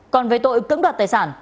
còn về tội cướp tài sản